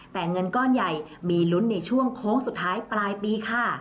แต่เงินก้อนใหญ่มีลุ้นในช่วงโค้งสุดท้ายปลายปีค่ะ